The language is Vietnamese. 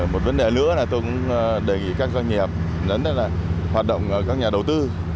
một vấn đề nữa là tôi cũng đề nghị các doanh nghiệp hoạt động các nhà đầu tư